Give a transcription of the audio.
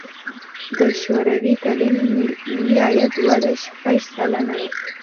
د شوروي کلني ملي عاید وده شپږ سلنه وه.